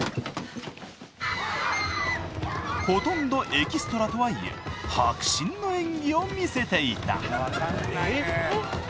［ほとんどエキストラとはいえ迫真の演技を見せていた］